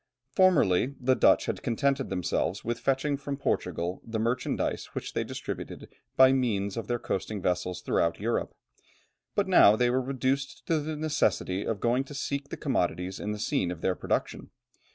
Formerly the Dutch had contented themselves with fetching from Portugal the merchandise which they distributed by means of their coasting vessels throughout Europe; but now they were reduced to the necessity of going to seek the commodities in the scene of their production.